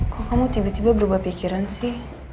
kok kamu tiba tiba berubah pikiran sih